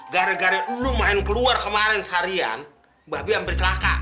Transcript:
gara gara lo main keluar kemarin seharian babi hampir celaka